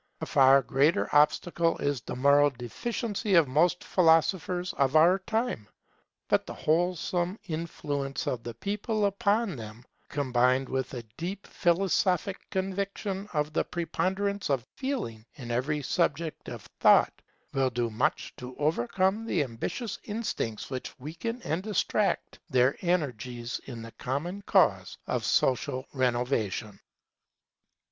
A far greater obstacle is the moral deficiency of most philosophers of our time. But the wholesome influence of the people upon them, combined with a deep philosophic conviction of the preponderance of Feeling in every subject of thought, will do much to overcome the ambitious instincts which weaken and distract their energies in the common cause of social renovation.